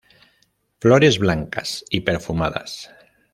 Flores blancas y perfumadas.